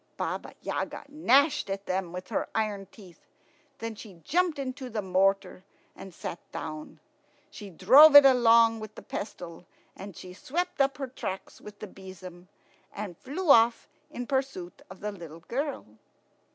Baba Yaga gnashed at them with her iron teeth. Then she jumped into the mortar and sat down. She drove it along with the pestle, and swept up her tracks with a besom, and flew off in pursuit of the little girl.